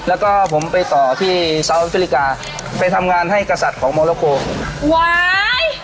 แล้วก็ผมไปต่อที่ซาวฟริกาไปทำงานให้กษัตริย์ของโมโลโคว้าย